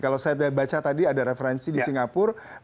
kalau saya baca tadi ada referensi di singapura